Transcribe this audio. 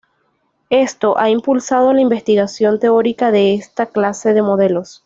Esto ha impulsado la investigación teórica de esta clase de modelos.